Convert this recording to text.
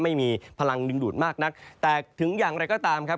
ไม่มีพลังดึงดูดมากนักแต่ถึงอย่างไรก็ตามครับ